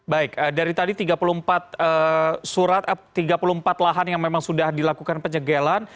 baik dari tadi tiga puluh empat surat tiga puluh empat lahan yang memang sudah dilakukan penyegelan